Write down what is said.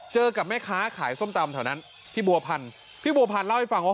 กับแม่ค้าขายส้มตำแถวนั้นพี่บัวพันธ์พี่บัวพันธ์เล่าให้ฟังว่า